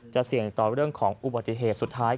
เสี่ยงต่อเรื่องของอุบัติเหตุสุดท้าย